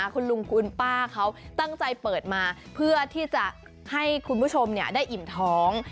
คุณลุงคุณป้าเขาตั้งใจเปิดมาเพื่อที่จะให้คุณผู้ชมได้อิ่มท้อง